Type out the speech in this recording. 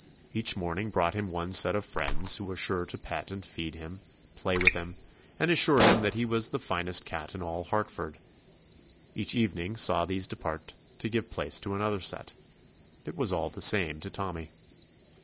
Each morning brought him one set of friends who were sure to pet and feed .64 TOMMY POSTOFFICE him, play with him, and assure him that he was "the finest cat in all Hart ford"; each evening saw these depart to give place to another set. It was all the same to Tommy.